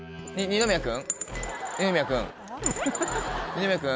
二宮君？